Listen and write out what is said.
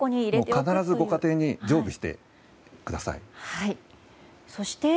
必ずご家庭に常備してください。